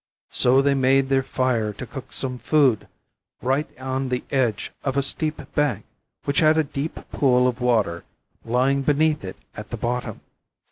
So they made their fire to cook some food, right on the edge of a steep bank, which had a deep pool of water lying beneath it at the bottom.